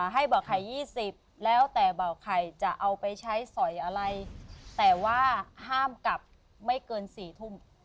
ให้เบาะไข่๒๐แล้วแต่เบาไข่จะเอาไปใช้สอยอะไรแต่ว่าห้ามกลับไม่เกิน๔ทุ่ม